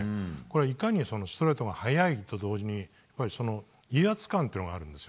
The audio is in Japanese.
いかにストレートが速いと同時に威圧感というのがあるんです。